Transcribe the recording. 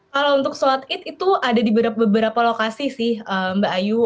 kalau untuk sholat id itu ada di beberapa lokasi sih mbak ayu